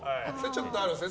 ちょっとあるんですね